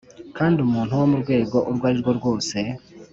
kandi umuntu wo mu rwego urwo ari rwo rwose